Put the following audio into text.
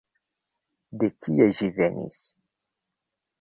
De kie ĝi venis?